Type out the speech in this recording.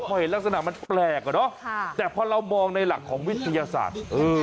พอเห็นลักษณะมันแปลกอะเนาะแต่พอเรามองในหลักของวิทยาศาสตร์